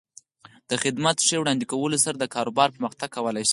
د خدمت ښې وړاندې کولو سره د کاروبار پرمختګ کولی شي.